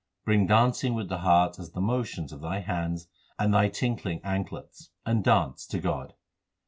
Bring dancing with the heart as the motions of thy hands and thy tinkling anklets, And dance to God.